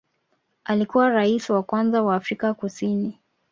Alikuwa rais wa kwanza wa Afrika Kusini